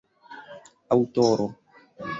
aŭtoro